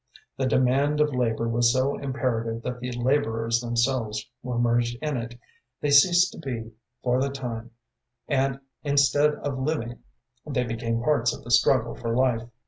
The demand of labor was so imperative that the laborers themselves were merged in it; they ceased to be for the time, and, instead of living, they became parts of the struggle for life.